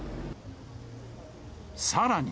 さらに。